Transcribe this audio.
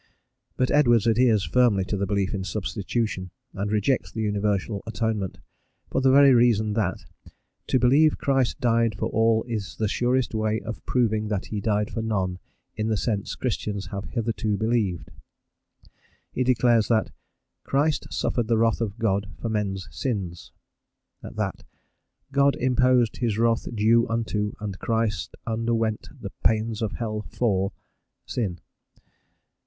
But Edwards adheres firmly to the belief in substitution, and rejects the universal atonement for the very reason that "to believe Christ died for all is the surest way of proving that he died for none in the sense Christians have hitherto believed." He declares that "Christ suffered the wrath of God for men's sins;" that "God imposed his wrath due unto, and Christ underwent the pains of hell for," sin.